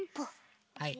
はい。